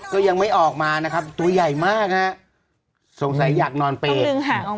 ก็ยังไม่ออกมานะครับตัวใหญ่มากฮะสงสัยอยากนอนเป็นต้องลึกหางออกมา